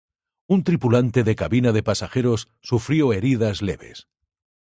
Un tripulante de cabina de pasajeros sufrió heridas leves.